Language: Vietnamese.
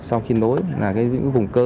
sau khi nối là cái vùng cơ